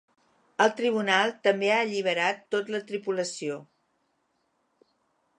El tribunal també ha alliberat tot la tripulació.